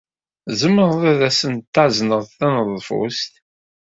Tzemreḍ ad asen-tazneḍ taneḍfust?